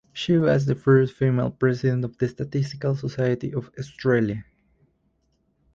She was the first female president of the Statistical Society of Australia.